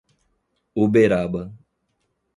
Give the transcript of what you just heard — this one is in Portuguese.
Uberaba